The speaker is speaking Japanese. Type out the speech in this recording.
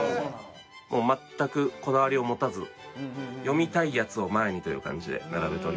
もう全くこだわりを持たず読みたいやつを前にという感じで並べております。